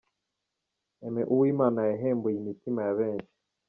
Aime Uwimana yahembuye imitima ya benshi.